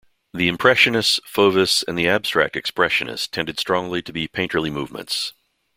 The Impressionists, Fauvists and the Abstract Expressionists tended strongly to be painterly movements.